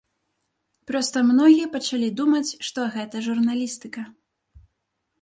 Проста многія пачалі думаць, што гэта журналістыка.